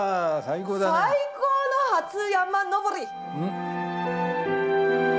最高の初山登り！